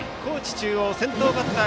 中央先頭バッター